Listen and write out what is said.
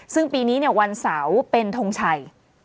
ซึ่งปีนี้วันเสาร์เป็นทงชัย